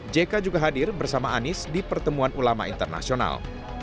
jk juga hadir bersama anies di pertemuan ulama internasional